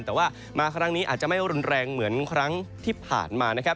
แต่ว่ามาครั้งนี้อาจจะไม่รุนแรงเหมือนครั้งที่ผ่านมานะครับ